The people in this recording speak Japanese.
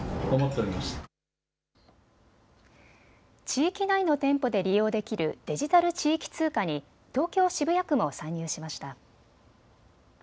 地域内の店舗で利用できるデジタル地域通貨に東京渋谷区も参入しました。